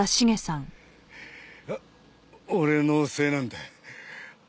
俺のせいなんだ。